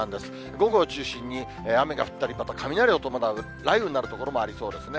午後を中心に雨が降ったり、また雷を伴う雷雨になる所もありそうですね。